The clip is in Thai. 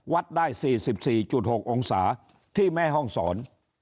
วัดได้สี่สิบสี่จุดหกองศาที่แม่ห้องสอน